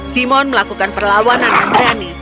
simon melakukan perlawanan dengan berani